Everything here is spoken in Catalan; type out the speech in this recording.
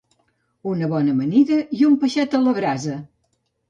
Una bona amanida i un peixet a la brasa